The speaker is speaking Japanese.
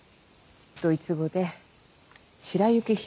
ドイツ語で白雪姫。